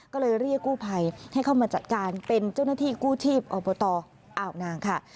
ก็เลยเรียกกู้ภัยให้เข้ามาจัดการเป็นเจ้าหน้าที่กู้ชีพอบตอ่าวนางค่ะ